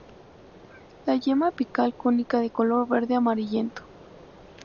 La yema apical cónica de color verde amarillento.